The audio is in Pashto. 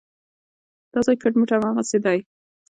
دا ځای کټ مټ هماغسې دی.